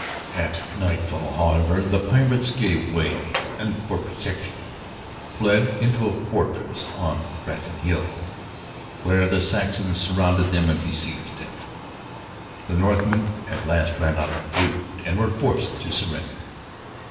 At nightfall, however, the pirates gave way and for protection fled into a fortress on Bratton Hill, where the Saxons surrounded them and besieged them. The Northmen at last ran out of food and were forced to surrender.